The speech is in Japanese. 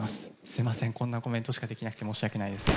すみません、こんなコメントしかできなくて申し訳ないです。